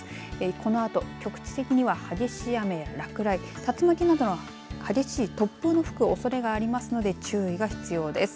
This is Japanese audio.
このあと局地的に激しい雨や落雷竜巻などの激しい突風の吹くおそれがありますので注意が必要です。